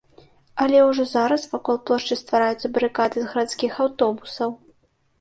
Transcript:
Але ўжо зараз вакол плошчы ствараюцца барыкады з гарадскіх аўтобусаў.